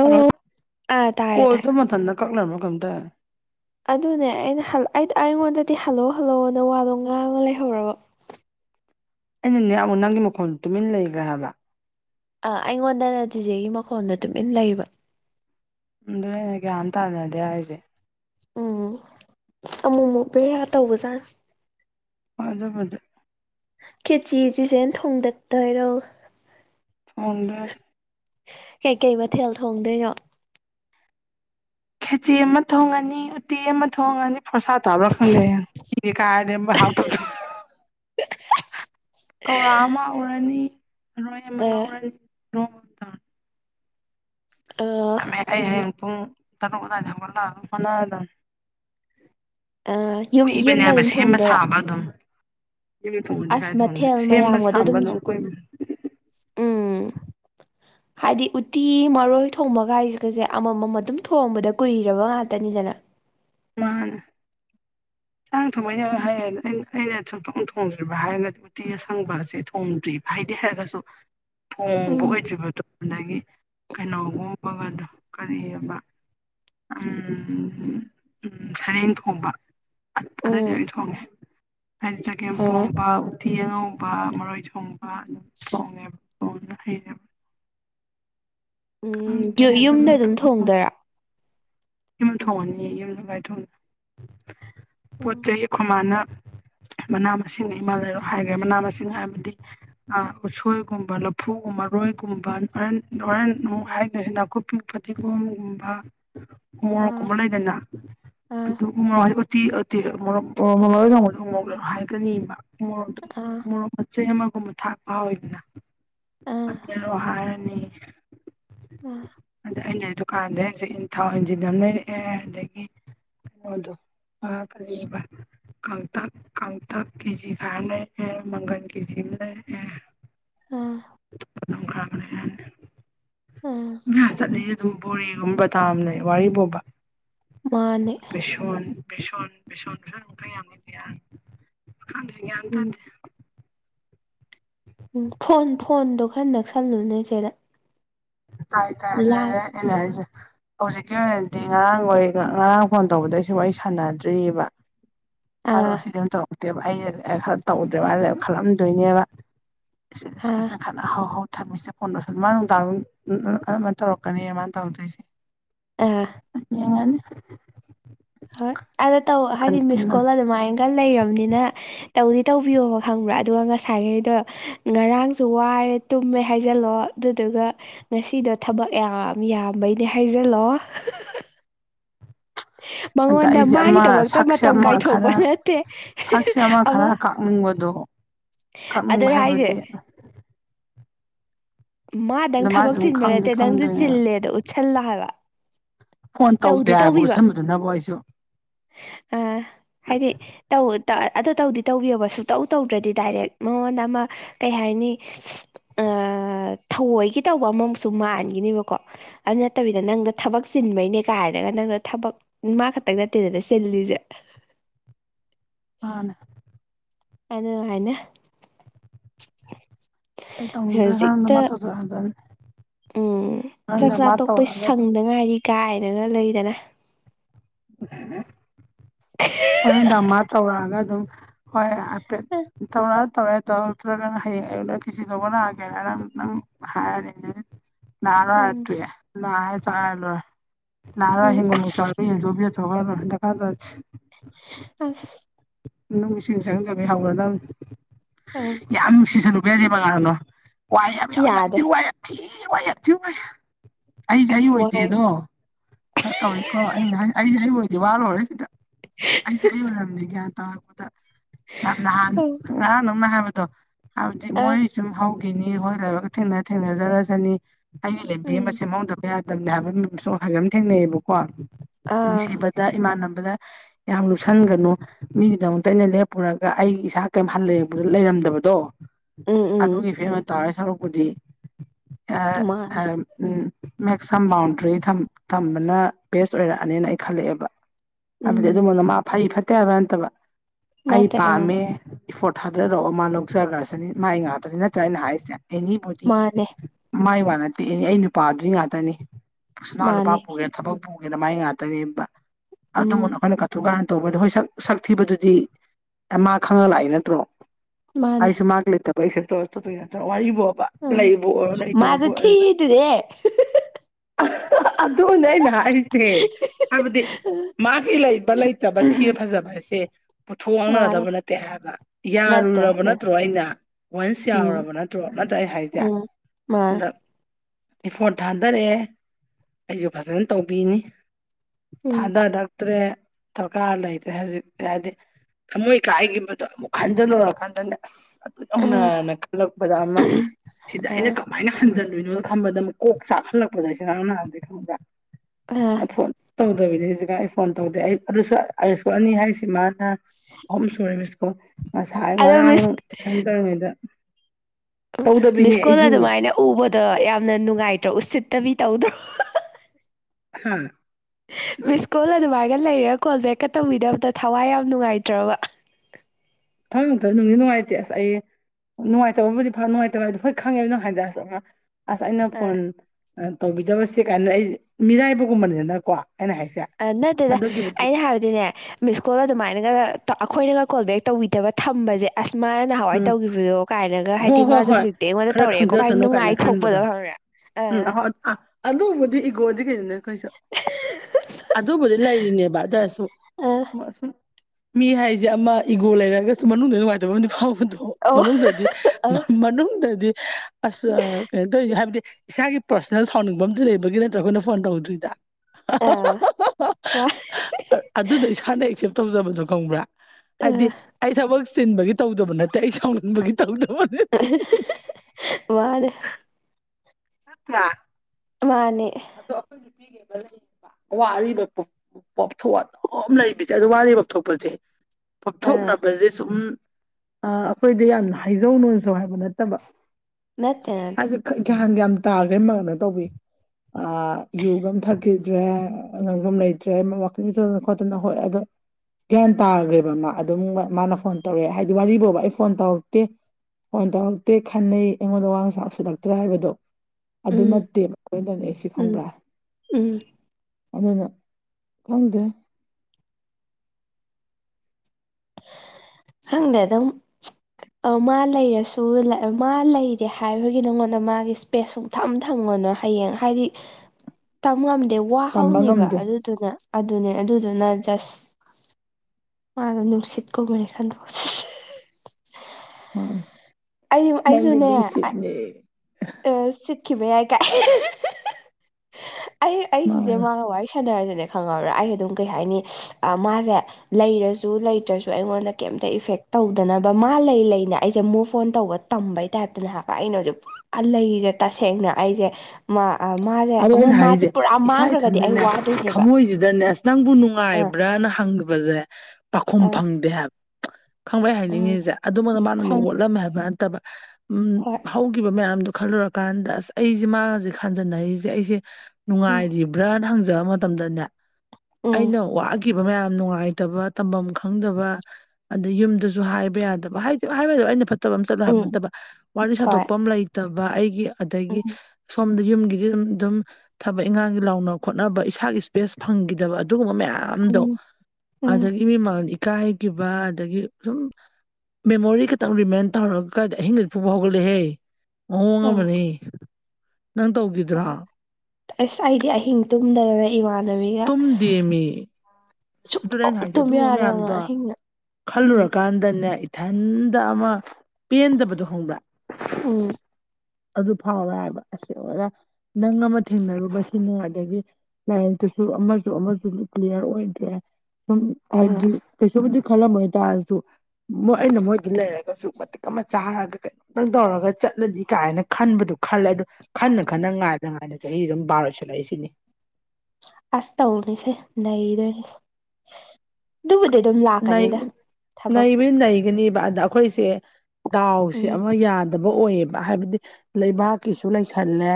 hello ꯑꯥ ꯀꯣ ꯇꯥꯔꯦ ꯇꯥꯔꯦ ꯑꯗꯨ ꯃꯊꯟꯗ ꯀꯛꯅꯃꯣ ꯀꯩꯝꯇ ꯑꯗꯨꯅꯦ ꯑꯩꯅ ꯑꯩ ꯑꯩꯉꯣꯟꯗꯗꯤ ꯍꯜꯂꯛꯑꯣ ꯍꯜꯂꯛꯑꯣꯅ ꯋꯥꯂꯣꯝ ꯉꯥꯡꯉ ꯂꯩꯍꯧꯔꯕ ꯑꯩꯅꯅꯦ ꯑꯃꯨꯛ ꯅꯪꯒꯤ ꯃꯈꯣꯟ ꯇꯨꯃꯤꯟ ꯂꯩꯈ꯭ꯔꯦ ꯍꯥꯏꯕ ꯑ ꯑꯩꯉꯣꯟꯗꯅ ꯖꯤꯖꯦꯒꯤ ꯃꯈꯣꯟꯜꯗ ꯇꯨꯃꯤꯟ ꯂꯩꯕ ꯑꯗ ꯍꯒ ꯌꯥꯝ ꯇꯅꯗꯦ ꯍꯥꯏꯦ ꯎꯝ ꯑꯃꯨꯛ ꯑꯃꯨꯛ ꯕꯦꯔꯥ ꯇꯧꯕꯖꯥꯠ ꯑꯗ ꯃꯗꯤ ꯈꯦꯆꯤ ꯆꯖꯦꯟ ꯊꯣꯡꯗꯛꯇꯔꯣ ꯐꯥꯎꯟꯗꯔ ꯀꯩꯀꯩ ꯃꯊꯦꯜ ꯊꯣꯡꯗꯣꯏꯅꯣ ꯈꯦꯆꯤ ꯑꯃ ꯊꯣꯡꯉꯅꯤ ꯎꯇꯤ ꯑꯃ ꯊꯣꯡꯉꯅꯤ ꯐꯣꯔꯁꯥ ꯇꯥꯕ꯭ꯔꯥ ꯈꯪꯗꯦ ꯀꯤꯗꯤ ꯀꯥꯏꯔꯗꯦ ꯍꯥꯎꯇꯗ ꯀꯧꯔꯥ ꯑꯃ ꯎꯔꯅꯤ ꯔꯣ ꯑ ꯃꯉꯔꯅꯤꯣ ꯑ ꯌꯥꯝꯃꯦ ꯍꯌꯦ ꯍꯌꯦꯡꯨ ꯄꯨꯡ ꯇꯔꯨꯛ ꯑꯗꯨꯗꯥꯏꯗ ꯍꯧꯒꯠꯂ ꯑꯗꯨꯝ ꯍꯣꯠꯅꯔ ꯑꯗꯨꯝ ꯑ ꯌꯨꯝ ꯌꯨꯝꯗ ꯀꯨꯏꯕꯅꯦꯕ ꯑꯗꯨꯝ ꯁꯦꯝꯕ ꯊꯣꯡꯗꯣꯏꯔꯥ ꯁꯥꯕ ꯑꯗꯨꯝ ꯌꯨꯝꯗ ꯊꯣꯡꯕꯗꯤ ꯑꯁ ꯀꯥꯏ ꯊꯣꯡꯅꯤ ꯃꯊꯦꯜ ꯁꯦꯝꯕ ꯃꯌꯥꯝꯒꯗ ꯁꯥꯕ ꯑꯗꯨꯝ ꯀꯨꯏꯕꯅꯤ ꯎꯝ ꯍꯥꯏꯗꯤ ꯎꯠꯇꯤ ꯃꯔꯣꯏ ꯊꯣꯡꯕꯒꯥꯏꯁꯤꯒꯁꯦ ꯑꯃꯃꯝ ꯑꯗꯨꯝ ꯊꯣꯡꯕꯗ ꯀꯨꯏꯔꯕ ꯉꯥꯛꯇꯅꯤꯗꯅ [inaudible] ꯃꯥꯥꯟ ꯆꯥꯡ ꯊꯣꯡꯩꯅ ꯍꯥꯏꯌꯦ ꯑꯩꯅ ꯑꯩꯅ ꯁꯊꯣꯛ ꯊꯣꯡꯗ꯭ꯔꯤꯕ ꯍꯥꯏꯔꯅꯗꯤ ꯎꯇꯤ ꯑꯁꯪꯕꯁꯦ ꯊꯣꯡꯗ꯭ꯔꯤꯕ ꯍꯥꯏꯗꯤ ꯍꯥꯏꯔꯒꯁꯨ ꯊꯣꯡꯕ ꯎꯝ ꯑꯣꯏꯗ꯭ꯔꯤꯕꯗꯣ ꯑꯗꯒꯤ ꯀꯩꯅꯣꯒꯕꯒꯗꯣ ꯀꯔꯤꯑꯕ ꯎꯝ ꯎꯝ ꯁꯔꯅ ꯊ ꯍꯕ ꯑꯗꯨꯑꯣꯏꯗꯤ ꯎꯝ ꯂꯣꯏ ꯊꯣꯡꯉꯦ ꯍꯥꯏꯗꯤ ꯆꯒꯦꯝꯄꯣꯝꯕ ꯎꯇꯤ ꯑꯉꯧ ꯣꯡꯕ ꯃꯔꯣꯏ ꯊꯣꯡꯕ ꯑꯗꯨꯝ ꯊꯣꯡꯉꯦꯕꯅ ꯍꯩꯔꯕ ꯎꯝ ꯌꯨꯝꯗ ꯑꯗꯨꯝ ꯊꯣꯡꯗꯔ ꯌꯨꯝ ꯊꯣꯡꯉꯅꯤ ꯌꯨꯝꯁꯨꯒꯥꯏ ꯊꯣꯡ ꯄꯣꯠ ꯎꯝ ꯆꯩꯩꯈꯣꯏ ꯃꯥꯅ [inaudible] ꯃꯅꯥ ꯃꯁꯤꯡ ꯏꯃꯥ ꯂꯩꯕ ꯍꯥꯏꯈ꯭ꯔꯦ ꯃꯅꯥ ꯃꯁꯤꯡ ꯍꯥꯏꯕꯗꯤ ꯎꯠꯁꯣꯏꯒꯨꯝꯕ ꯂꯐꯨꯒꯨꯝꯕ ꯔꯣꯍꯤ ꯀꯨꯝꯕꯥꯦꯟ ꯍꯥꯏꯅꯁꯤ ꯅꯥꯀꯨꯞꯄꯤꯛ ꯐꯗꯤꯒꯣꯝꯒꯨꯝꯕ ꯃꯣꯔꯣꯛꯀꯨꯝꯕ ꯂꯩꯗꯅ ꯑ ꯑꯗꯨ ꯍꯥꯏꯤ ꯎ ꯂꯣꯏꯅꯣ ꯍꯥꯏꯒꯅꯤꯕ ꯀꯗ ꯑꯥ ꯃꯣꯔꯣꯛ ꯃꯆꯩ ꯑꯃꯒꯨꯝꯕ ꯊꯥꯛꯄ ꯍꯧꯋꯗꯅ ꯑꯥ ꯑꯅ ꯂꯣ ꯍꯥꯏꯅꯤ ꯑꯗ ꯑꯩꯅ ꯗꯨꯀꯥꯟꯗꯒꯤꯩ ꯍꯧꯖꯤꯛ ꯌꯦꯟꯊꯥꯎ ꯍꯦꯟꯖꯤꯟ ꯑꯃ ꯂꯩꯔꯛꯑꯦ ꯑꯗꯒꯤ ꯍ ꯑꯗꯨ ꯑ ꯀꯔꯤꯕ ꯀꯥꯡꯇꯛ ꯀꯥꯡꯇꯛ ꯀꯦ ꯖꯤ ꯈꯥꯏ ꯂꯩꯑꯦ ꯃꯪꯒꯟ ꯀꯦ ꯖꯤ ꯂꯩꯑꯦ ꯑꯥ ꯣꯡꯀꯒ ꯑꯥ ꯆꯠꯂꯤꯁꯦ ꯑꯗꯨꯝ ꯕꯣꯔꯤꯒꯨꯝꯕ ꯇꯥꯝꯅ ꯋꯥꯔꯤꯔꯤꯕ ꯐꯣꯕ ꯃꯥꯅꯦ ꯦꯁꯟ ꯄꯦꯁ ꯁꯇ ꯌꯥꯝꯒꯤ ꯈꯥꯟ ꯭ꯟ ꯇ ꯎꯝ ꯎꯝ ꯐꯣꯟ ꯐꯣꯟꯗꯣ ꯈꯔ ꯅꯛꯁꯜꯂꯨꯅꯦꯆꯦꯗ ꯇꯥꯏ ꯇ ꯏꯦ ꯍꯧꯖꯤꯛꯀꯤ ꯑꯣꯏꯅꯗꯤ ꯉꯔꯥꯡꯈꯣꯏ ꯉꯔꯥꯡ ꯐꯣꯟ ꯇꯧꯕꯗꯩꯁꯤꯕꯨ ꯑꯩ ꯁꯥꯟꯅꯗ꯭ꯔꯤꯑꯕ [inaudible] ꯃꯥꯗꯣ ꯑꯥ ꯁꯤꯗꯤꯝ ꯇꯧꯔꯛꯇꯦꯕ ꯑꯩꯁ ꯈꯔ ꯇꯧꯗ꯭ꯔꯦ ꯃꯥꯁꯦ ꯈꯜꯂꯝꯗꯣꯏꯅꯦꯕ ꯁꯤ ꯑꯥ ꯈꯁꯤꯅ ꯈꯥꯟꯅ ꯍꯥꯎ ꯍꯥꯎ ꯊꯝꯃꯤꯁꯦ ꯄꯟꯗ꯭ꯔꯣ ꯁꯣꯃꯅꯨꯡꯗꯥꯥꯡ ꯎꯝ ꯑꯗꯨꯃꯥꯏꯅ ꯇꯧꯔꯛꯀꯅꯤ ꯑꯗꯨꯃꯥꯏꯅ ꯇꯧꯗꯣꯏꯁꯦ ꯑꯥ ꯌꯦꯡꯉꯅꯤ [inaudible] ꯍꯣꯏ ꯑꯗ ꯍꯥꯏꯗꯤ ꯃꯤꯁ ꯀꯟꯇꯤꯅ ꯀꯣꯜ ꯑꯗꯨꯃꯥꯏꯅꯒ ꯂꯩꯔ ꯅꯤꯅ ꯇꯧꯗꯤ ꯇꯧꯕꯤꯌꯣꯕ ꯈꯪꯕ꯭ꯔꯥ ꯑꯗꯨꯒ ꯉꯁꯥꯏꯈꯩꯗꯣ ꯉꯔꯥꯡꯁꯨ ꯋꯥꯏꯔꯦꯨꯝ ꯁꯩ ꯍꯥꯏꯖꯜꯂꯣ ꯑꯗꯨꯗꯨꯒ ꯉꯁꯤꯗꯣ ꯊꯕꯛ ꯌꯥꯝ ꯌꯥꯝꯕꯩꯅꯦ ꯍꯥꯏꯖꯜꯂꯣ [inaudible] ꯑꯗ ꯃꯉꯣꯟꯗ ꯑꯩꯁꯦ ꯑꯃ ꯃꯥꯒꯤꯗꯃꯛꯇ ꯁꯛꯁꯦ ꯃꯇꯝ ꯑꯃ ꯀꯥꯏꯊꯣꯛꯄ ꯈꯔ ꯅꯠꯇꯦ ꯁꯛꯁꯦ ꯑꯃ ꯈꯔ ꯀꯥꯛꯅꯤꯡꯕ ꯑꯗꯣ ꯀꯛꯅꯤꯡꯕ ꯑꯗꯨꯅꯦ ꯍꯥꯏꯁꯦ ꯍꯥꯏꯕꯗꯤ ꯃꯥꯗꯪ ꯑꯗ ꯊꯕꯛ ꯃꯥꯁꯨ ꯑꯗꯨꯝ ꯆꯤꯟꯕ ꯈꯪꯗꯤ ꯅꯠꯇꯦ ꯅꯪꯁꯨ ꯈꯪꯗꯣꯏꯅꯦꯕ ꯆꯤꯜꯂꯦꯗ ꯎꯠꯁꯜꯂꯣ ꯍꯥꯏꯕ ꯐꯣꯟ ꯇꯧꯗꯦ ꯇꯧꯗꯤ ꯍꯥꯏꯕ ꯇꯧꯕꯤꯕ ꯎꯠꯁꯟꯕꯗꯨꯅꯕꯨ ꯑꯩꯁꯨ ꯑ ꯍꯥꯏꯗꯤ ꯇꯧ ꯑ ꯇꯧꯗꯤ ꯇꯧꯕꯤꯌꯣꯕ ꯁꯨꯇꯧ ꯇꯧꯗ꯭ꯔꯗꯤ ꯗꯥꯏꯔꯦꯛ ꯃꯉꯣꯟꯗ ꯑꯃ ꯀꯩ ꯍꯥꯏꯅꯤ ꯊꯧꯑꯣꯏꯒꯤ ꯇꯧꯕ ꯑꯃꯃꯨꯁꯨ ꯃꯥꯟꯈꯤꯅꯦꯕꯀꯣ ꯑꯗꯨ ꯅꯠꯇꯕꯤꯗ ꯅꯪꯒ ꯊꯕꯛ ꯆꯤꯟꯕꯩꯅꯦ ꯀꯥꯏ ꯍꯥꯏꯔꯒ ꯅꯪꯅ ꯊꯕꯛ ꯃꯥ ꯈꯛꯇꯪ ꯅꯠꯇꯦꯗꯅ ꯆꯤꯜꯂꯤꯁꯦ [inaudible] ꯑꯅ ꯑꯅꯣ ꯍꯥꯏꯅ ꯑꯩ ꯇꯧꯅꯤꯡꯗ꯭ꯔꯦ ꯈꯔꯗ ꯍꯧꯖꯤꯛꯇ ꯃꯥ ꯇꯧꯗ ꯍꯟꯖꯤꯅꯤ ꯎꯝ ꯆꯥꯛ ꯆꯥ ꯇꯣꯛꯄꯩ ꯑꯗꯨꯝ ꯁꯪꯗ ꯉꯥꯏꯔꯤ ꯀꯥꯏꯅꯒ ꯂꯩꯗꯅ ꯎ ꯍꯗꯥ ꯃꯥ ꯇꯧꯔꯛꯑꯒ ꯑꯗꯨꯝ ꯍꯣꯏ ꯍꯥꯏꯐꯦꯠ ꯇꯧꯔꯑ ꯇꯧꯔꯦ ꯇꯧꯛꯇ꯭ꯔꯒꯅ ꯍꯌꯦꯡ ꯀꯤꯁꯤ ꯇꯧꯕ ꯂꯑꯒꯦꯅ ꯅꯪ ꯅꯪ ꯍꯥꯏꯔꯤꯅꯦ ꯅꯅꯥꯔꯣꯏꯠꯇꯦ ꯎꯝ ꯅꯔꯦ ꯆꯥꯔꯂꯣꯏꯔ ꯅꯅꯥꯔꯣꯏ ꯎꯝ ꯍꯤꯡꯒꯣꯅꯨ ꯑꯁ ꯆꯥꯔ ꯌꯦ ꯁꯀꯥꯏ ꯑꯗꯨꯇ ꯀꯥꯗ ꯆꯦ ꯑꯁ ꯑꯗꯨꯝ ꯏꯁꯤꯡ ꯆꯪꯖꯕꯤ ꯍꯧꯈ꯭ꯔꯗꯪ ꯑꯧ ꯌꯥꯝ ꯁꯤꯖꯟꯅꯨꯕ ꯌꯥꯗꯦ ꯃꯉꯥꯜꯅꯣ ꯋꯥꯏ ꯌꯥꯕ ꯌꯥꯎ ꯌꯥ ꯌꯥꯗꯦ ꯊ ꯋꯥꯏ ꯊꯤ ꯋꯥꯏ ꯊ ꯑꯩꯁꯦ ꯑꯩ ꯑꯁ ꯋꯥꯏ ꯑꯣꯏꯗꯦꯗꯣ ꯈ ꯀꯧꯋꯤꯀꯣ ꯑꯩꯁꯦ ꯑꯩ ꯑꯣꯏ ꯗꯤꯋꯥ ꯂꯔꯦ ꯁꯤꯗ ꯑꯩꯁꯦ ꯑꯩ ꯑꯣꯏꯝꯗꯤ ꯒ꯭ꯌꯥꯟ ꯇꯥꯔꯛꯄ ꯌꯥꯝ ꯅꯍꯥꯟ ꯉꯔꯥꯡꯅꯅ ꯍꯥꯏꯕꯗꯣ ꯍꯥꯏꯕꯗꯤ ꯑ ꯃꯣꯏ ꯁꯨꯝ ꯍꯧ ꯐꯤꯅꯤ ꯍꯣꯏ ꯂꯥꯏꯕꯛ ꯊꯦꯡꯅ ꯊꯦꯡꯅꯖꯔꯁꯅꯤ ꯑꯩꯒꯤ ꯂꯝꯕꯤ ꯑꯃ ꯎꯝ ꯁꯦꯝꯍꯧꯗꯕ ꯌꯥꯗꯦ ꯍꯥꯏꯕꯁꯨ ꯐꯖ ꯌꯥꯝ ꯊꯦꯡꯅꯩꯌꯦꯕꯀꯣ ꯑꯥ ꯅꯨꯡꯁꯤꯕꯗ ꯏꯃꯥꯟꯅꯕ ꯗ ꯌꯥꯝ ꯂꯨꯞꯁꯤꯟꯒꯅꯨ ꯃꯤꯒꯤꯗꯃꯛꯇ ꯑꯩꯅ ꯂꯦꯞꯄꯨꯔꯒ ꯑꯩꯒꯤ ꯏꯁꯥ ꯀꯔꯤꯝ ꯍꯜꯄ ꯂꯩꯔꯝꯗꯕꯗꯣ ꯎꯝ ꯎꯝ ꯑꯗꯨꯒꯤ ꯐꯤꯕꯝ ꯇꯥꯔ ꯁꯔꯨꯛꯄꯨꯗꯤ ꯃꯥꯅꯦ ꯎ ꯃꯦꯛꯁꯝ ꯕꯥꯎꯟꯗ꯭ꯔꯤ ꯊꯝꯕꯅ ꯕꯦꯁ ꯑꯣꯏꯔꯛꯑꯅꯤꯅ ꯑꯩ ꯈꯜꯂꯛꯑꯦꯕ ꯍꯥꯏꯕꯗꯤ ꯎꯝ ꯑꯗꯨꯝꯕꯅ ꯃꯥ ꯐꯩ ꯐꯠꯇꯦ ꯍꯥꯏꯕ ꯅꯠꯇꯕ ꯑꯩ ꯅꯠꯇꯦ ꯑꯥ ꯄꯥꯝꯃꯦ ꯏꯐꯣꯔꯠ ꯊꯥꯗꯔꯛꯑꯣ ꯃꯥ ꯂꯧꯖꯈ꯭ꯔꯁꯤꯅꯤ ꯃꯥꯥꯏ ꯉꯥꯛꯇꯅꯤ ꯅꯠꯇ꯭ꯔꯥ ꯑꯩꯅ ꯍꯥꯏꯔꯤꯁꯦ ꯑꯦꯅꯤ ꯕꯣꯗꯤ ꯃꯥꯅꯦ ꯃꯥꯏ ꯋꯥ ꯅꯠꯇꯦ ꯑꯦꯅꯤ ꯑꯩ ꯅꯨꯄꯥ ꯑꯗꯨꯏ ꯉꯥꯛꯇꯅꯤ ꯁꯅꯥ ꯂꯨꯄꯥ ꯃꯥꯅꯦ ꯄꯨꯒꯦꯅ ꯊꯕꯛ ꯄꯨꯒꯦꯅ ꯃꯥꯏ ꯉꯥꯛꯇꯅꯦꯕ ꯎꯝ ꯑꯗꯨꯝꯕꯅ ꯑꯩꯈꯣꯏꯅ ꯀꯠꯊꯣꯛꯀꯥꯟ ꯇꯧꯕꯗꯣ ꯍꯣꯏ ꯁꯛ ꯁꯛ ꯊꯤꯕꯗꯨꯗꯤ ꯃꯥ ꯈꯪꯉ ꯂꯥꯛꯏ ꯅꯠꯇ꯭ꯔꯣ ꯃꯥꯅꯦ ꯑꯩꯁꯨ ꯃꯥꯥꯛꯂ ꯇꯕꯁꯕꯣ ꯎꯝ ꯂꯩꯕ ꯑꯣꯏꯔꯣ ꯃꯥꯁꯨ ꯂꯩꯇꯕꯕꯨ ꯑꯣꯏꯔꯗ ꯊꯤꯗꯨꯗꯤ ꯑꯗꯨꯅꯦ ꯑꯩꯅ ꯍꯥꯏꯔꯤꯁꯦ ꯍꯥꯏꯕꯗꯤ ꯃꯥꯒꯤ ꯂꯩꯕ ꯂꯩꯇꯕ ꯊꯤ ꯐꯖꯕ ꯁꯤꯦ ꯃꯥꯅꯦ ꯄꯨꯊꯣꯛꯅꯗꯕ ꯅꯠꯇꯦ ꯍꯥꯏꯕ ꯅꯠꯇꯦ ꯌꯥꯔꯨꯔꯕ ꯑꯗꯨ ꯅꯠꯇ꯭ꯔꯣ ꯑꯩꯅ ꯋꯥꯟꯁ ꯌꯥꯎꯨꯔꯕ ꯅꯠꯇ꯭ꯔꯣ ꯑꯗ꯭ꯔ ꯑꯩ ꯍꯥꯏꯁꯦ ꯃꯥ ꯍꯟꯗꯛ ꯏꯐꯣꯔꯠ ꯊꯥꯗꯔꯛꯑꯦ ꯑꯩꯁꯨ ꯐꯖꯅ ꯇꯧꯕꯤꯅꯤ ꯎꯝ ꯊꯗꯗꯇ꯭ꯔꯦ ꯇꯔꯀꯥꯗ ꯍꯧꯖꯤꯛ ꯍꯥꯏꯗꯤ ꯊꯃꯣꯏ ꯀꯥꯏꯈꯤꯕꯗꯣ ꯑꯃꯨꯛ ꯍꯟꯖꯜ ꯂꯨꯔꯀꯥꯟꯗꯅꯦ ꯑꯁ ꯑꯗꯨ ꯑꯥ ꯌꯧꯅꯅ ꯈꯜꯂꯛꯄꯗ ꯑꯃ ꯁꯤꯗ ꯑꯩꯅ ꯀꯃꯥꯏꯅ ꯍꯟꯖꯤꯟ ꯣ ꯈꯕꯗ ꯀꯣꯛ ꯆꯥꯛ ꯍꯜꯂꯛꯄꯗꯣꯏꯁꯦ ꯉꯔꯥꯡ ꯅꯍꯥꯟꯗꯩ ꯈꯪꯕ ꯑꯥ ꯐꯣꯟ ꯇꯗꯅꯤ ꯍꯧꯖꯤꯛ ꯑꯩ ꯐꯣꯟ ꯇꯧꯗꯦ ꯑꯩ ꯑꯗꯨꯁꯨ ꯁ꯭ꯀꯨꯜ ꯑꯅꯤ ꯍꯥꯏꯁꯤ ꯃꯥꯅ ꯑꯍꯨꯝ ꯁꯨꯦꯔꯤꯕ ꯁ꯭ꯀꯨꯜ ꯉꯁꯥꯏ ꯑꯗꯣ ꯉꯔꯥꯡ ꯃꯤꯁ ꯇꯨꯏꯁꯟ ꯇꯧꯔꯤꯉꯩꯗ ꯇꯧꯗꯕꯤꯅꯦ ꯃꯤꯁ ꯀꯣꯜ ꯑꯩꯁꯨ ꯑꯗꯨꯃꯥꯏꯅ ꯎꯕꯗꯣ ꯌꯥꯝꯅ ꯅꯨꯡꯉꯥꯏꯇ꯭ꯔꯣ ꯎꯁꯤꯠꯇꯕꯤ ꯇꯧꯗ꯭ꯔꯣ ꯎꯝ ꯕꯤꯁꯀꯨꯜ ꯑꯗꯨꯃꯥꯏꯒ ꯂꯩꯔꯒ ꯀꯣꯜꯕꯦꯛꯀ ꯇꯧꯕꯤꯗꯕꯗ ꯊꯋꯥꯏ ꯌꯥꯝ ꯅꯨꯡꯉꯥꯏꯇ꯭ꯔꯕ [unintelligible] ꯊꯃꯃꯛꯇ ꯅꯨꯡꯗꯤ ꯅꯨꯡꯉꯥꯏꯇꯦ ꯑꯁ ꯑꯩ ꯅꯨꯡꯉꯥꯏꯇꯕꯕꯨꯗꯤ ꯐ ꯅꯨꯡꯉꯥꯏꯇꯕ ꯍꯥꯏ ꯑꯗꯨ ꯍꯣꯏ ꯈꯪꯉꯦꯕ ꯅꯪ ꯍꯥꯏꯗꯔ ꯑꯁ ꯑꯩꯅ ꯑ ꯐꯣꯟ ꯇꯧꯕꯤꯗꯕꯁꯦ ꯀꯥꯏꯅ ꯑꯩ ꯃꯤꯔꯥꯏꯕꯒꯨꯝꯕꯅꯤꯗꯅꯀꯣ ꯑꯩꯅ ꯍꯥꯏꯁꯦ ꯅꯠꯇꯦꯗ ꯑꯗꯨꯒꯤꯕꯨꯗꯤ ꯑꯩꯅ ꯍꯥꯏꯕꯗꯤꯅꯦ ꯃꯤꯁ ꯀꯣꯜꯒ ꯑꯗꯨꯃꯥꯏꯅꯒ ꯑꯩꯈꯣꯏꯅꯒ ꯀꯣꯜ ꯕꯦꯛ ꯇꯧꯤꯗꯕ ꯊꯝꯕꯁꯦ ꯑꯁ ꯃꯥꯅ ꯅꯍꯥꯟꯋꯥꯏ ꯎꯝ ꯇꯧꯈꯤꯕꯗꯣ ꯀꯥꯏꯅꯒ ꯍꯥꯏꯗꯤ ꯍꯣꯏ ꯍꯣꯏ ꯃꯥꯁꯨ ꯍꯣꯏ ꯍꯧꯖꯤꯛꯇꯤ ꯑꯩꯉꯣꯟꯗ ꯈꯔ ꯇꯧꯔꯛꯑꯦꯀꯣ ꯀ ꯅꯨꯡꯉꯥꯏꯊ ꯊꯣꯛꯄꯗꯣ ꯈꯪꯦ ꯎ ꯍ ꯑꯗꯨꯗꯗꯤ ꯏꯒ ꯍꯗꯤꯒꯦ ꯁꯨ ꯑꯗꯨꯕꯨꯗꯤ ꯂꯩꯔꯤꯅꯦꯕ ꯑꯗꯨꯔꯁꯨ ꯑꯥ ꯃꯤ ꯍꯥꯏꯁꯦ ꯑꯃ ꯏꯒꯣ ꯂꯩꯔꯒꯁꯨ ꯃꯅꯨꯡꯗ ꯅꯨꯡꯉꯥꯏꯇꯕ ꯑꯃꯗꯤ ꯐꯥꯎ ꯑꯗꯨꯣ ꯑꯧ ꯃꯅꯨꯡꯗꯗꯤ ꯑꯧ ꯃꯅꯨꯡꯗꯗꯤ ꯑꯁ ꯀꯩꯅꯣ ꯇꯧ ꯍꯥꯏꯕꯗꯤ ꯏꯁꯥꯒꯤ ꯄꯥꯔꯁꯣꯅꯦꯜ ꯁꯥꯎꯅꯤꯡꯕ ꯑꯝꯇ ꯂꯩꯕꯒꯤ ꯅꯠꯇ꯭ꯔ ꯑꯩꯈꯣꯏꯅ ꯐꯣꯟ ꯇꯧꯗꯣꯏꯗ ꯑꯥ ꯃꯥ ꯑꯗꯨꯗꯣ ꯏꯁꯥꯅ ꯑꯦꯛꯁꯦꯞ ꯇꯧꯖꯕꯗꯣ ꯈꯪꯕ꯭ꯔꯥ ꯍꯥꯏꯗꯤ ꯑꯥ ꯑꯩ ꯊꯕꯛ ꯆꯤꯟꯕꯒꯤ ꯇꯧꯗꯕ ꯅꯠꯇꯦ ꯑꯩ ꯁꯥꯎꯅꯤꯡꯕꯒꯤ ꯇꯧꯗꯕ ꯃꯥꯅꯦ ꯑꯠꯇ ꯃꯥꯅꯦ ꯑꯗꯣꯗꯤ ꯄꯤꯒ ꯑ ꯑꯔꯤꯕ ꯄꯣꯛꯊꯣꯛꯑꯝ ꯂꯩꯃꯤꯁꯦ ꯑꯗꯨ ꯑꯔꯤꯕ ꯄꯣꯛꯊꯣꯛꯄꯁꯦ ꯑꯥ ꯄꯣꯛꯊꯣꯛꯅꯕꯁꯦ ꯁꯨꯝ ꯑꯩꯈꯣꯏꯗ ꯌꯥꯝꯅ ꯍꯥꯏꯖꯧ ꯣꯟꯖꯧ ꯍꯥꯏꯕ ꯅꯠꯇꯕ ꯃꯇꯦꯟ ꯅꯍꯟ ꯌꯥꯝ ꯇꯥꯈ꯭ꯔꯦ ꯏ ꯃꯥꯥꯟꯅ ꯇꯧꯕꯤ ꯌꯣꯒ ꯑꯃꯝ ꯊꯛꯈꯤꯗ꯭ꯔꯦ ꯑꯉꯥꯡꯒ ꯂꯩꯇ꯭ꯔꯦ ꯋꯥꯋꯀꯤꯡ ꯆꯗꯅ ꯈꯣꯠꯇꯅ ꯍꯣꯏ ꯑꯗꯣ ꯒ꯭ꯌꯥꯟ ꯇꯥꯈ꯭ꯔꯦꯕ ꯃꯥ ꯑꯗꯨꯝ ꯃꯥꯅ ꯐꯣꯟ ꯇꯧꯔꯛꯑꯦ ꯍꯥꯏꯕꯗꯤ ꯋꯥꯔꯤꯔꯤꯕ ꯐꯥꯎꯕ ꯑꯩ ꯐꯣꯟ ꯇꯧꯔꯛꯇꯦ ꯐꯣꯟ ꯇꯧꯔꯛꯇꯦ ꯈꯟꯅꯩ ꯑꯩꯉꯣꯟꯗ ꯋꯥꯅ ꯁꯥꯞꯁꯤꯜꯂꯛꯇ꯭ꯔꯥ ꯍꯥꯏꯕꯗꯣ ꯑꯗꯨꯅ ꯎꯝ ꯑꯩꯣꯏꯗꯅꯦ ꯑꯩ ꯁꯤ ꯎꯝ ꯈꯪꯕ꯭ꯔꯥ ꯎꯝ ꯑꯗꯨꯅ ꯀꯪꯗ ꯍꯪ ꯑ ꯑꯗꯨꯝ ꯃꯥ ꯂꯩꯔꯁꯨ ꯃꯥ ꯂꯩꯔꯦ ꯍꯥꯏꯕꯒꯤ ꯅꯉꯣꯟꯗ ꯃꯥꯒꯤ ꯏꯁꯄꯦꯁ ꯁꯨꯊ ꯑꯃ ꯊꯪꯒꯅꯤ ꯀ ꯍꯌꯦꯡ ꯍꯥꯏꯗꯤ ꯇꯝꯉꯝꯗꯦ ꯇꯝꯕ ꯋꯥꯍꯧꯅꯤꯕ ꯉꯝꯗꯦ ꯑꯗꯨꯗꯨꯅ ꯑꯗꯨꯅꯦ ꯑꯗꯨꯗꯨꯅ ꯖꯁ ꯃꯥꯅ ꯅꯨꯡꯁꯤ ꯆꯠꯀ ꯃꯔ ꯈꯥꯟꯗ ꯃꯥ ꯅꯪ ꯂꯅꯨꯡꯁꯤꯗꯦ ꯑ ꯁꯤꯠꯈꯤꯕꯈꯤꯕ ꯌꯥꯏ ꯀꯥꯏ ꯑꯩ ꯑꯩꯁꯤꯁꯦ ꯃꯥꯅꯤ ꯃꯥꯒ ꯋꯥꯔꯤ ꯁꯥꯟꯅꯔꯁꯦ ꯩ ꯈꯪꯍꯧꯔꯥ ꯑꯩ ꯑꯗꯨꯝ ꯀꯩ ꯍꯥꯏꯅꯤ ꯃꯥꯁꯦ ꯂꯩꯔꯁꯨ ꯂꯩꯇ꯭ꯔꯁꯨ ꯑꯩꯉꯣꯟꯗ ꯀꯩꯝꯇ ꯏꯐꯦꯛ ꯇꯧꯗꯅꯕ ꯃꯥ ꯂꯩ ꯂꯩꯅꯦ ꯑꯩꯁꯦ ꯃꯨꯛ ꯐꯣꯟ ꯇꯧꯕ ꯇꯝꯕꯩ ꯇꯥꯏꯞꯇꯅꯦ ꯍꯥꯏꯕ ꯑꯩꯅ ꯍꯧꯁꯨ ꯑ ꯂꯩꯔꯤꯁꯦ ꯇꯁꯦꯡꯅ ꯑꯩꯁꯦ ꯃꯥ ꯃꯥꯁꯦ ꯑꯗꯣ ꯑꯃ ꯑꯩꯅ ꯃꯥꯁꯦ ꯍꯥꯏꯁꯦ ꯄꯨꯔꯥ ꯏꯁꯥ ꯃꯥꯡꯈ꯭ꯔꯒꯗꯤ ꯑꯩ ꯏꯊꯟꯗꯅꯦ ꯋꯥꯗꯣꯏꯅꯦꯕ ꯊꯃꯣꯏꯁꯤꯗꯅꯦ ꯑꯁ ꯅꯪꯕꯨ ꯑꯥ ꯅꯨꯡꯉꯥꯏꯕ꯭ꯔꯥꯅ ꯍꯪ ꯐꯪꯕꯁꯦ ꯄꯥꯈꯨꯝ ꯑꯥ ꯐꯪꯗꯦ ꯍꯥꯏꯕ ꯈꯪꯕꯩ ꯎꯝ ꯍꯥꯏꯅꯤꯡꯉꯤꯁꯦ ꯑꯗꯨꯃꯛꯅ ꯃꯥꯅꯗꯣ ꯈꯪ ꯑꯣꯠꯂꯝꯃꯦ ꯍꯥꯏꯕ ꯅꯠꯇꯕ ꯍꯣꯏ ꯍꯧꯈꯤꯕ ꯃꯌꯥꯝꯗꯣ ꯈꯜꯂꯨꯔꯀꯥꯟꯗ ꯑꯁ ꯑꯩꯁꯦ ꯃꯥ ꯍꯧꯖꯤꯛ ꯈꯥꯟꯖꯟꯅꯔꯤꯁꯦ ꯑꯩꯁꯦ ꯎꯝ ꯅꯨꯡꯉꯥꯏꯔꯤꯕ꯭ꯔꯥꯅ ꯍꯪꯖ ꯕ ꯃꯇꯝꯗꯅꯦ ꯎꯝ ꯑꯩꯅ ꯋꯥ ꯌꯥꯝ ꯅꯨꯡꯉꯥꯏꯇꯕ ꯇꯐꯝ ꯈꯪꯗꯕ ꯑꯗ ꯌꯨꯝꯁꯨ ꯍꯥꯏꯕ ꯌꯥꯗ ꯑꯩꯅ ꯐꯠꯇ ꯐꯠꯇꯕ ꯑꯃ ꯆꯠꯂꯣ ꯍꯥꯏꯕ ꯎꯝ ꯅꯠꯇꯕ ꯋꯥꯔꯤ ꯍꯣꯏ ꯁꯥꯗꯣꯛꯄ ꯑꯃ ꯂꯩꯇꯕ ꯑꯩꯒꯤ ꯑꯗꯒꯤ ꯎꯝ ꯁꯣꯝꯗꯒꯤ ꯌꯨꯝꯒꯤꯗꯤ ꯑꯗꯨꯝ ꯑꯗꯨꯝ ꯊꯕꯛ ꯏꯪꯉꯥꯡꯒꯤ ꯂꯥꯎꯅ ꯈꯣꯠꯅꯕ ꯏꯁꯥꯒꯤ ꯏꯁꯄꯦꯁ ꯐꯪꯈꯤꯗꯕ ꯑꯗꯨꯒꯨꯝꯕ ꯃꯌꯥꯝ ꯃꯌꯥꯝꯗꯣ ꯎꯝ ꯎꯝ ꯑꯗꯒꯤ ꯃꯤꯃ ꯏꯀꯥꯏ ꯍꯩꯈꯤꯕ ꯑꯗꯒꯤ ꯁꯨꯝ ꯃꯦꯃꯣꯔꯤ ꯈꯈꯤꯇꯪ ꯔꯤꯃꯦꯟ ꯇꯧꯔ ꯀꯥꯏꯗ ꯑꯍꯤꯡꯗꯤꯛ ꯄꯨꯕ ꯍꯧꯒꯠꯂꯛꯍꯦ ꯃꯑꯣꯡ ꯑꯧ ꯑꯃꯅꯤ ꯅꯪ ꯇꯧꯈꯤꯗ꯭ꯔꯣ ꯑꯁ ꯑꯩꯗꯤ ꯑꯍꯤꯡ ꯇꯨꯝꯗꯅꯦ ꯇꯨꯝ ꯗꯃꯤ ꯁꯨꯛꯇꯨꯝ ꯑꯗꯨꯗꯩꯅ ꯍꯥꯏꯁꯦ ꯇꯨꯝ ꯑꯗꯨꯒꯨꯝꯕ ꯌꯥꯗꯅ ꯃꯌꯥꯝꯗꯣ ꯑꯍꯤꯡꯗ ꯎꯝ ꯈꯜꯂꯨꯔꯀꯥꯟꯗꯅꯦ ꯏꯊꯟꯗ ꯑꯃ ꯄꯦꯟꯗꯕꯗꯣ ꯍꯣꯡꯕ꯭ꯔꯥ ꯎꯝ ꯑꯗꯨ ꯐꯥꯎꯋꯦ ꯍꯥꯏꯕ ꯑꯁꯦ ꯑꯣꯔꯥ ꯅꯪ ꯑꯃ ꯊꯦꯡꯅꯔꯨꯕꯁꯤꯅ ꯑꯗꯒꯤ ꯂꯥꯏꯔꯤꯛꯇ ꯂꯤꯌꯥ ꯑꯣꯏꯗ꯭ꯔꯦ ꯁꯨꯝ ꯎꯝ ꯍꯥꯏꯗꯤ ꯊ ꯈꯔꯂꯝ ꯃ ꯑꯣꯏ ꯇꯁꯨ ꯃꯣꯏ ꯑꯩꯅ ꯃꯣꯏꯗꯤ ꯂꯩꯔꯒꯁꯨ ꯃꯇꯤꯛ ꯑꯃ ꯆꯥꯔꯒ ꯀꯩꯅꯣꯝꯇꯪ ꯇꯧꯔꯒ ꯆꯠꯂꯅꯤ ꯀꯥꯏꯅ ꯈꯟꯕꯗꯨꯣ ꯈꯜꯂꯦ ꯑꯗꯨ ꯈꯟꯅ ꯈꯟꯅ ꯉꯥꯏꯅ ꯉꯥꯏꯅ ꯆꯍꯤ ꯑꯗꯨꯝ ꯕꯥꯔꯣꯏ ꯁꯂꯛꯏ ꯁꯤꯅꯤ ꯑꯁ ꯇꯧꯅꯤꯁꯦ ꯂꯩꯗꯅꯤ ꯅꯩꯕꯗꯤ ꯅꯩꯒꯅꯦꯕ ꯑꯗ ꯑꯩꯈꯣꯏꯁꯦ ꯗꯥꯎꯁꯦ ꯎꯝ ꯑꯃ ꯌꯥꯗ ꯕ ꯑꯣꯏꯌꯦꯕ ꯍꯥꯏꯕꯗꯤ ꯂꯩꯕꯥꯛꯀꯤꯁꯨ ꯂꯩꯁꯜꯂꯦ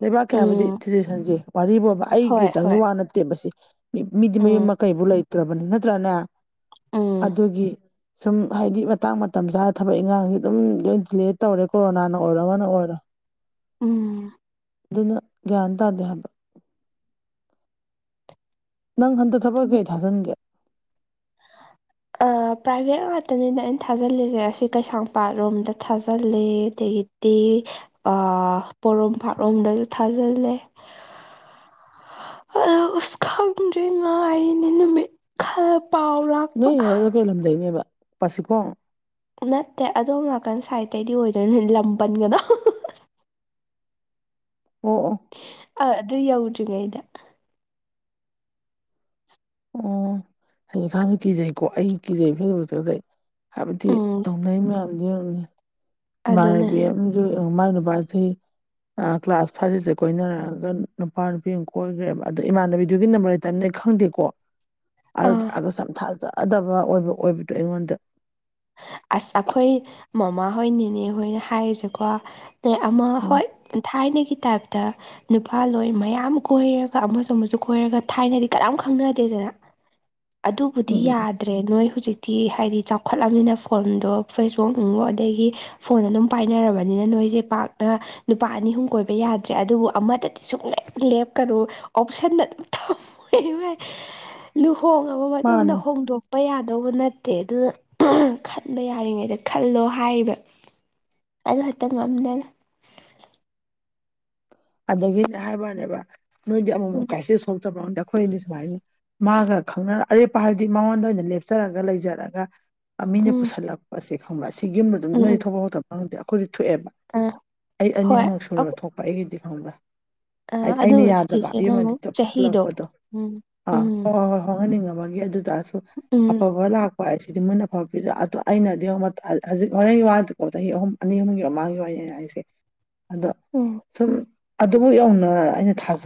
ꯂꯩꯕꯥꯛꯀꯤ ꯍꯥꯏꯕꯗꯤ ꯎꯝ ꯇ꯭ꯔꯦꯗꯤꯁꯟꯁꯦ ꯋꯥꯔꯤ ꯐꯕ ꯑꯩ ꯍꯣꯏ ꯈꯤꯇꯪꯒꯤ ꯍꯣꯏ ꯋꯥ ꯅꯠꯇꯦꯕ ꯁꯤ ꯃꯤꯗꯤ ꯃꯌꯨꯝ ꯎꯝ ꯃꯀꯩꯕꯨ ꯂꯩꯇ꯭ꯔꯕꯅꯤ ꯅꯠꯇ꯭ꯔꯅꯦ ꯎꯝ ꯑꯗꯨꯒꯤ ꯁꯨꯝ ꯍꯥꯏꯗꯤ ꯃꯇꯥꯡ ꯃꯇꯝ ꯆꯥꯅ ꯊꯕꯛ ꯏꯪꯈꯥꯡꯁꯦ ꯑꯗꯨꯝ ꯂꯣꯏ ꯗꯤꯂꯦ ꯇꯧꯔꯦ ꯀꯣꯔꯣꯅꯥꯅ ꯑꯣꯏꯔꯣ ꯑꯃꯅ ꯑꯣꯏꯔꯣ ꯎꯝ ꯑꯗꯨꯅ ꯥꯟꯗ ꯑꯗꯕ ꯅꯪ ꯍꯟꯇ ꯊꯕꯛ ꯀꯩ ꯑꯩ ꯊꯥꯖꯤꯟꯒꯦ [inaudible] ꯄ꯭ꯔꯥꯏꯚꯦꯠ ꯉꯥꯛꯇꯅꯤꯅ ꯑꯩꯅ ꯊꯥꯖꯤꯜꯂꯤꯁꯦ ꯑꯁꯤ ꯀꯩꯁꯥꯝꯄꯥꯠꯔꯣꯝꯗ ꯊꯥꯖꯤꯜꯂꯤ ꯑꯗꯒꯤ ꯇꯤ ꯄꯣꯔꯣꯝ ꯄꯥꯔꯣꯝꯗꯁꯨ ꯊꯥꯖꯤꯜꯂꯦ ꯑ ꯎꯁ ꯈꯪꯗ꯭ꯔꯦ ꯉꯔꯤꯅꯤ ꯅꯨꯃꯤꯠ ꯈꯔ ꯄꯥꯎ ꯂꯥꯛꯄ ꯅꯔ ꯀꯩꯂꯝꯗꯅꯦꯕ ꯄꯁꯤ ꯀꯣ ꯅꯠꯇꯦ ꯑꯗꯣꯝ ꯅꯥꯀꯟ ꯁꯥꯏꯗꯇꯩꯩꯗꯤ ꯑꯣꯏꯗꯣꯏꯅꯦ ꯂꯝꯕꯟꯒꯅꯣ ꯑꯣ ꯑꯣ ꯑꯥ ꯑꯗꯨ ꯌꯧꯗ꯭ꯔꯤꯉ ꯑꯩꯗ ꯑꯣ ꯍꯧꯖꯤꯛ ꯈꯥꯟꯗꯤ ꯀꯤꯖꯩꯀꯣ ꯑꯩ ꯀꯤꯖꯩ ꯐꯦꯛꯇꯗ ꯍꯥꯏꯕꯗꯤ ꯎꯝ ꯇꯧꯅꯩ ꯃꯌꯥꯝꯁ ꯌꯦꯡꯤ ꯑꯗꯨꯅꯦ ꯏꯃꯥꯟꯅꯕꯤ ꯑꯃꯁꯨ ꯃꯥꯏ ꯄꯁꯁꯤ ꯀ꯭ꯂꯥꯁ ꯐꯥꯏꯚꯁꯤꯁꯦ ꯀꯣꯏꯅꯔꯛꯑꯒ ꯅꯨꯄꯥ ꯅꯨꯄꯤ ꯑꯃ ꯀꯣꯏꯈ꯭ꯔꯦꯕ ꯑꯗꯨ ꯏꯃꯥꯟꯅꯕꯤꯗꯨꯒꯤ ꯅꯝꯕꯔ ꯇ ꯈꯪꯗꯦꯀꯣ ꯑꯥ ꯑꯗꯨꯒ ꯁꯝꯊꯥꯖꯗꯕ ꯑꯣꯏꯕ ꯑꯣꯏꯕꯗꯣ ꯑꯩꯉꯣꯟꯗ ꯑꯁ ꯑꯩꯈꯣꯏ ꯃꯃꯥꯍꯣꯏ ꯅꯦꯅꯦꯍꯣꯏꯅ ꯍꯥꯏꯔꯤꯁꯦꯀꯣ ꯑ ꯑꯃ ꯎꯝ ꯍꯣꯏ ꯊꯥꯏꯅꯒꯤ ꯇꯥꯏꯞꯇ ꯅꯨꯄꯥ ꯂꯣꯏ ꯃꯌꯥꯝ ꯀꯣꯏꯔꯒ ꯑꯃꯁꯨ ꯑꯃꯁꯨ ꯀꯣꯏꯔꯒ ꯊꯥꯏꯅꯗꯤ ꯀꯅꯥꯝ ꯈꯪꯅꯗꯦꯗꯅ ꯑꯗꯨꯕꯨꯗꯤ ꯎꯝ ꯎꯝ ꯌꯥꯗ꯭ꯔꯦ ꯅꯣꯏ ꯍꯧꯖꯤꯛꯇꯤ ꯍꯥꯏꯗꯤ ꯆꯥꯎ ꯈꯣꯠꯂꯕꯅꯤꯅ ꯐꯣꯟꯗꯣ ꯐꯦꯁꯕꯨꯛ ꯕꯨ ꯑꯗꯒꯤ ꯐꯣꯟꯗ ꯑꯗꯨꯝ ꯄꯥꯏꯅꯔꯕꯅꯤꯅ ꯅꯣꯏꯁꯦ ꯄꯥꯛꯅ ꯅꯨꯄꯥ ꯑꯅꯤ ꯑꯍꯨꯝ ꯀꯣꯏꯕ ꯌꯥꯗ꯭ꯔꯦ ꯑꯗꯨꯕꯨ ꯑꯃꯗꯗꯤ ꯁꯨꯡꯂꯦꯞ ꯂꯦꯞꯀꯅꯨ ꯑꯣꯞꯁꯟꯅ ꯑꯗꯨꯝ ꯊ ꯍꯣꯏꯣꯏ ꯂꯨꯍꯣꯡꯡꯂꯕ ꯃꯇꯨꯡꯗ ꯃꯥꯅꯦ ꯍꯣꯡꯗꯣꯛꯄ ꯌꯥꯗꯧꯕ ꯅꯠꯇꯦ ꯑꯗꯨꯅ ꯈꯟꯕ ꯌꯥꯔꯤꯉꯩꯗ ꯈꯜꯂꯣ ꯍꯥꯏꯔꯤꯕ ꯑ ꯇ ꯑꯗꯒꯤꯅꯦ ꯍꯥꯏꯕꯅꯦꯕ ꯅꯣꯏꯗꯤ ꯑꯃꯃꯨꯛ ꯎꯝ ꯀ꯭ꯔꯥꯏꯁꯤꯁ ꯁꯣ ꯝꯗ ꯑꯩꯈꯣꯏꯗꯤ ꯁꯨꯃꯥꯏ ꯃꯥꯒ ꯈꯪꯅꯔ ꯑꯔꯦꯞꯄ ꯍꯥꯏꯕꯗꯤ ꯃꯉꯣꯟꯗ ꯑꯣꯏꯅ ꯂꯦꯞꯆꯔꯒ ꯂꯩꯖꯔꯒ ꯃꯤꯅ ꯎꯝ ꯄꯨꯁꯜꯂꯛꯄꯁꯦ ꯈꯪꯕ꯭ꯔꯥ ꯁꯤꯒꯨꯝꯕ ꯑꯗꯨꯝ ꯎꯝ ꯅꯣꯏꯗꯤ ꯎꯝ ꯊꯣꯛꯄ ꯍꯧꯕꯄ ꯈꯪꯗꯦ ꯑꯩꯈꯣꯏꯗꯤ ꯊꯣꯛꯑꯦꯕ ꯑꯥ ꯑꯩ ꯍꯣꯏ ꯑꯅꯤꯍꯨꯝꯂꯛ ꯁꯔꯕ ꯊꯣꯛꯄ ꯑꯩꯒꯤꯗꯤ ꯈꯪꯕ꯭ꯔꯦ ꯑ ꯍꯥꯏꯗꯤ ꯑꯩꯅ ꯑꯗꯨꯕꯨꯗꯤ ꯌꯥꯗꯕ ꯆꯦꯆꯦꯅ ꯌꯨꯝ ꯑꯃꯨꯛ ꯑꯗꯤꯣ ꯆꯍꯤꯗꯣ ꯄꯨꯁꯤꯜꯂꯛꯄꯗꯣ ꯎꯝ ꯑꯥ ꯎꯝ ꯍꯣꯏ ꯍꯣꯏ ꯍꯣꯏ ꯍꯣꯡꯍꯟꯅꯤꯡꯉ ꯑꯗꯨ ꯇꯑꯁꯨ ꯎꯝ ꯑꯐꯕ ꯂ ꯍꯣꯏ ꯁꯤꯗꯤ ꯃꯣꯏꯟꯅ ꯐꯕ ꯄꯤꯗ ꯑꯗꯣ ꯑꯩꯅꯗꯤ ꯍꯧꯖꯤꯛ ꯍꯣꯔꯦꯟꯒꯤ ꯋꯥꯗꯤꯀꯣ ꯆꯍꯤ ꯑꯍꯨꯝ ꯑꯅꯤ ꯑꯍꯨꯝꯒꯤ ꯃꯃꯥꯡꯒꯤ ꯋꯥꯔꯤ ꯑꯩꯁꯦ ꯑꯗꯣ ꯎꯝ ꯁꯨꯝ ꯑꯗꯨꯕꯨ ꯌꯧꯅ ꯑꯩꯅ ꯊꯥꯖꯩ